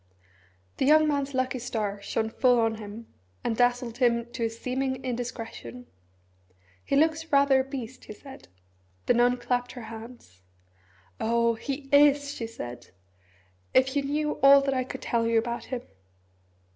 The young man's lucky star shone full on him, and dazzled him to a seeming indiscretion. "He looks rather a beast," he said. The nun clapped her hands. "Oh he is!" she said. "If you knew all that I could tell you about him!"